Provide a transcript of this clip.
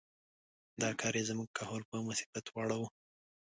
دا کار یې زموږ کهول په مصیبت واړاوه.